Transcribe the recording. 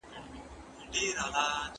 که سګریټ ونه څکو، خطر کمېږي.